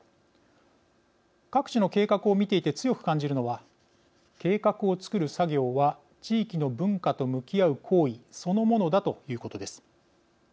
各地の計画を見ていて強く感じるのは計画を作る作業は地域の文化と向き合う行為そのものだということです。